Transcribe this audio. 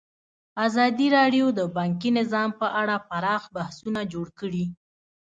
ازادي راډیو د بانکي نظام په اړه پراخ بحثونه جوړ کړي.